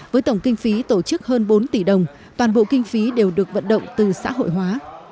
với tổng kinh phí tổ chức hơn bốn tỷ đồng toàn bộ kinh phí đều được vận động từ xã hội hóa